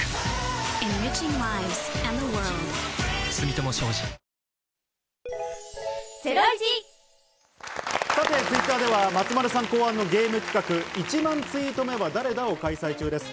浮所がトランポリンで才能をＴｗｉｔｔｅｒでは松丸さん考案のゲーム企画、「１万ツイート目は誰だ！？」を開催中です。